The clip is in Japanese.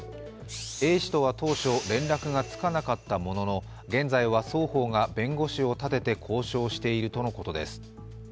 Ａ氏とは当初、連絡がつかなかったものの、現在は双方が弁護士を立てて交渉しているとのことです。